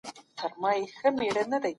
یوه شېبه مي وه ساتلې سوځېدو ته درتلم